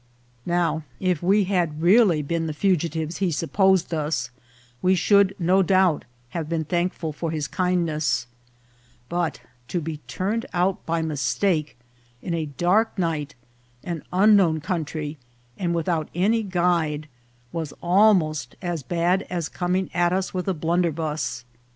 Now if we had really been the fugitives he supposed us, we should no doubt have been very thankful for his kindness ; but to be turned out by mistake in a dark night, an unknown country, and without any guide, was almost as bad as coming at us with a blunderbuss.